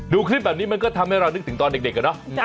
ดูคลิปแบบนี้มันก็ทำให้เรานึกถึงตอนเด็กอะเนาะ